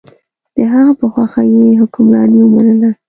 د هغه په خوښه یې حکمراني ومنله.